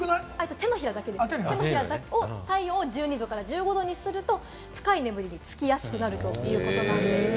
手のひらの体温を１２度から１５度にすると深い眠りにつきやすくなるということです。